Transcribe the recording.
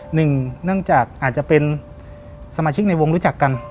หนึ่งเนื่องจากอาจจะเป็นสมาชิกในวงรู้จักกัน